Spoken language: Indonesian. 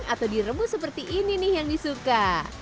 atau direbus seperti ini nih yang disuka